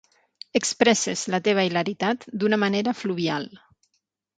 Expresses la teva hilaritat d'una manera fluvial.